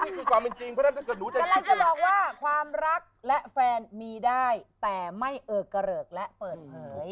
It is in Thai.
นี่คือความจริงเพราะฉะนั้นถ้าเกิดหนูจะคิดนั้นเราจะลองว่าความรักและแฟนมีได้แต่ไม่เอิกกระเหิกและเปิดเหย